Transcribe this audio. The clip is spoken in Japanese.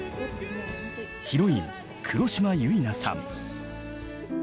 ヒロイン黒島結菜さん。